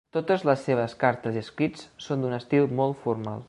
Totes les seves cartes i escrits són d'un estil molt formal.